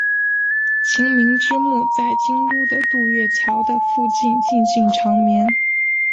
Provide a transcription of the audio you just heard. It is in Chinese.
晴明之墓在京都的渡月桥的附近静静长眠。